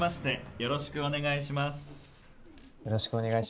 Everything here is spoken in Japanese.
よろしくお願いします。